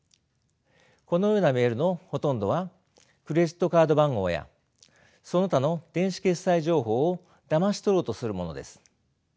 このようなメールのほとんどはクレジットカード番号やその他の電子決済情報をだまし取ろうとするものです。